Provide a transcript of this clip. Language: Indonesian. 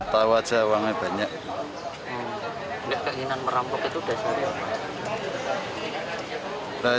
tahu aja uangnya banyak keinginan merampok itu dasarnya